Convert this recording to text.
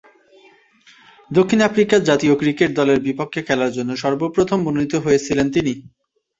দক্ষিণ আফ্রিকা জাতীয় ক্রিকেট দলের বিপক্ষে খেলার জন্য সর্বপ্রথম মনোনীত হয়েছিলেন তিনি।